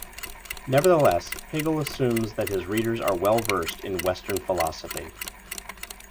Nevertheless, Hegel assumes that his readers are well-versed in Western philosophy.